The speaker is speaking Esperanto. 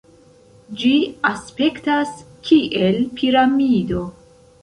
Ĝi aspektas kiel piramido.